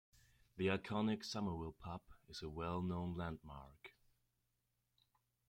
The iconic Somerville Pub is a well-known landmark.